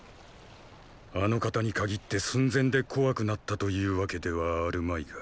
あの方に限って寸前で怖くなったというわけではあるまいが。